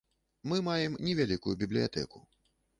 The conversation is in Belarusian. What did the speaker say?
Мы маем невялікую бібліятэку.